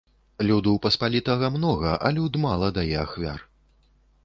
Люду паспалітага многа, а люд мала дае ахвяр.